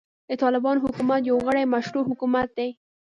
د طالبانو حکومت يو غيري مشروع حکومت دی.